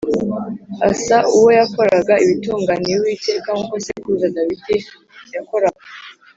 Asa uwo yakoraga ibitunganiye Uwiteka nk’uko sekuruza Dawidi yakoraga